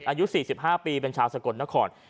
อายุ๔๕ปีเป็นชาวสกลนคร